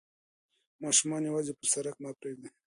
ماشومان یوازې پر سړک مه پریږدئ.